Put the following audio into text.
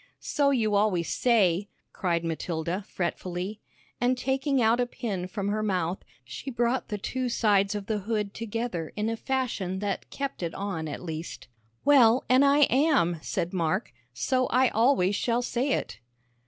"So you always say," cried Matilda, fretfully, and taking out a pin from her mouth, she brought the two sides of the hood together in a fashion that kept it on at least. "Well, an' I am," said Mark, "so I always shall say it."